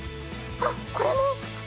あっこれも！